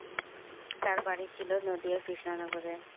তার বাড়ি ছিল নদীয়ার কৃষ্ণনগরে।